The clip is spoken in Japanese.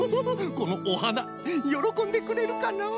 このおはなよろこんでくれるかのう？